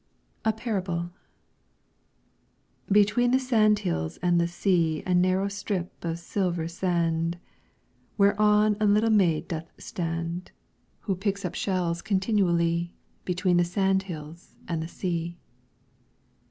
A PARABLE Between the sandhills and the sea A narrow strip of silver sand, Whereon a little maid doth stand, Who picks up shells continually, Between the sandhills and the sea.